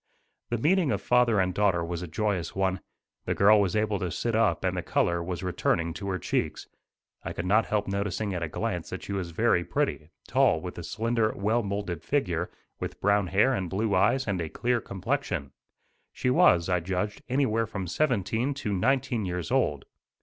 The meeting of father and daughter was a joyous one. The girl was able to sit up and the color was returning to her cheeks. I could not help noticing at a glance that she was very pretty, tall with a slender well moulded figure, with brown hair and blue eyes and a clear complexion. She was, I judged, anywhere from seventeen to nineteen years old.